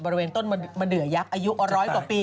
บริเวณต้นมะเดือยักษ์อายุร้อยกว่าปี